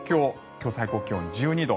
今日、最高気温１２度。